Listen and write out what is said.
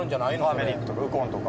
ターメリックとかウコンとか。